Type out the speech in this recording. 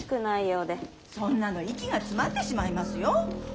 そんなの息が詰まってしまいますよ。